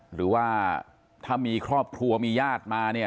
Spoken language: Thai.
หรือว่าถ้ามีครอบครัวมีญาติมาเนี่ย